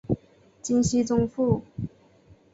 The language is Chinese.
金熙宗父。